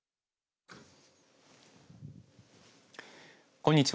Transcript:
こんにちは。